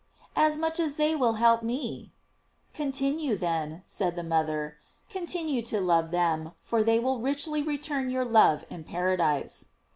"As much as they will help me." "Continue, then," said the mother, "continue to love them, for they will richly return your love in paradise."